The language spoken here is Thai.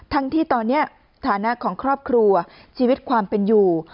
ทั้งที่ตอนนี้ฐานะของครอบครัวชีวิตความเป็นอยู่